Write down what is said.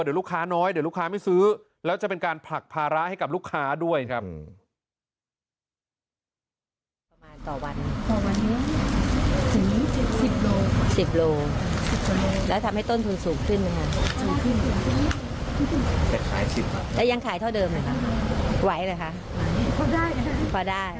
เดี๋ยวลูกค้าน้อยเดี๋ยวลูกค้าไม่ซื้อแล้วจะเป็นการผลักภาระให้กับลูกค้าด้วยครับ